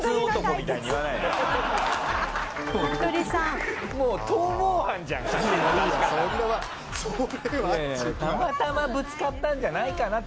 たまたまぶつかったんじゃないかなと思うよ俺は。